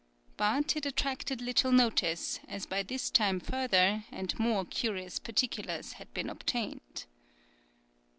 But it attracted little notice, as by this time further, and more curious particulars had been obtained.